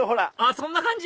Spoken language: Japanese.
そんな感じ！